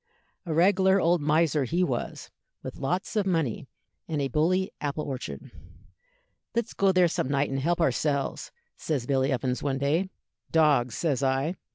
A reg'lar old miser he was, with lots of money, and a bully apple orchard. 'Let's go there some night and help ourselves,' says Billy Evans, one day. 'Dogs,' says I.